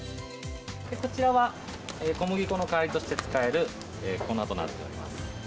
こちらは、小麦粉の代わりとして使える粉となっています。